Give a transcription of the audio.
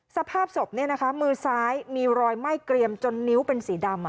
สภาพศพมือซ้ายมีรอยไหม้เกรียมจนนิ้วเป็นสีดำ